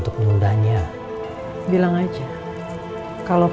kamu paham gak kamu